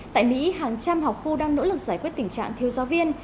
tại mỹ hàng trăm học khu đang nỗ lực giải quyết tình trạng thiêu do viên